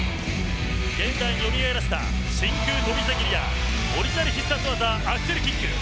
現代によみがえらせた真空跳びひざ蹴りやオリジナル必殺技アクセルキック。